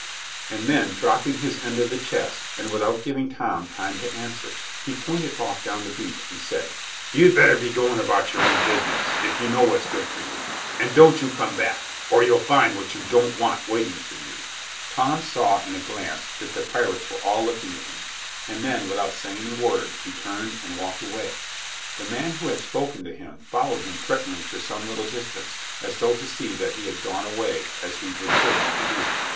And then dropping his end of the chest, and without giving Tom time to answer, he pointed off down the beach, and said, "You'd better be going about your own business, if you know what's good for you; and don't you come back, or you'll find what you don't want waiting for you." [Illustration: WHO SHALL BE CAPTAIN?] Tom saw in a glance that the pirates were all looking at him, and then, without saying a word, he turned and walked away. The man who had spoken to him followed him threateningly for some little distance, as though to see that he had gone away as he was bidden to do.